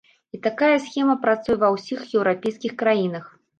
І такая схема працуе ва ўсіх еўрапейскіх краінах.